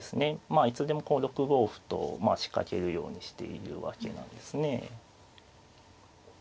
まあいつでも６五歩と仕掛けるようにしているわけなんですね。